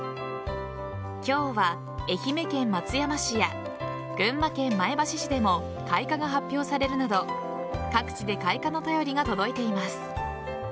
今日は愛媛県松山市や群馬県前橋市でも開花が発表されるなど各地で開花の便りが届いています。